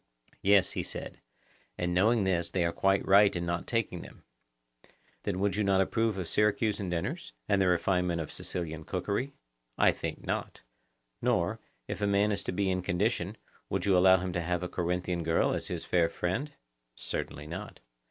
Yes, he said; and knowing this, they are quite right in not taking them. Then you would not approve of Syracusan dinners, and the refinements of Sicilian cookery? I think not. Nor, if a man is to be in condition, would you allow him to have a Corinthian girl as his fair friend? Certainly not.